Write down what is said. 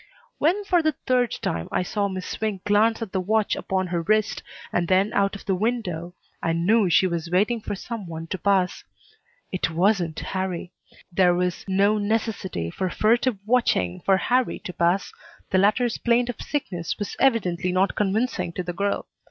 When for the third time I saw Miss Swink glance at the watch upon her wrist, and then out of the window, I knew she was waiting for some one to pass. It wasn't Harrie. There was no necessity for furtive watching for Harrie to pass, The latter's plaint of sickness was evidently not convincing to the girl.